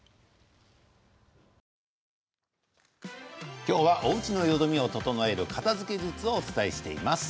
今日は、おうちのよどみを整える片づけ術をお伝えしています。